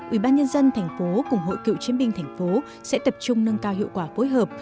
ủy ban nhân dân tp cùng hội cựu chiến binh tp sẽ tập trung nâng cao hiệu quả phối hợp